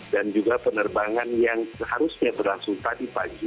dan juga penerbangan yang seharusnya berlangsung tadi pagi